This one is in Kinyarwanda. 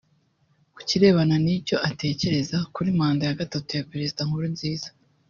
Ku kirebana n’icyo atekereza kuri Manda ya gatatu ya Perezida Nkurunziza